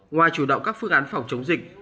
ngoài chủ động các phương án phòng chống dịch